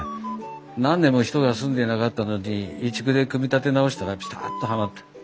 何年も人が住んでいなかったのに移築で組み立て直したらピタッとはまった。